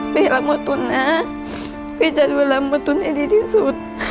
พี่รักป้าตุ๋นนะพี่จะดูแลโมตุ๋นให้ดีที่สุด